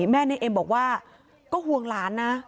ในเอ็มบอกว่าก็ห่วงหลานนะ